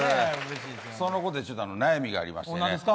そのことで悩みがありましてね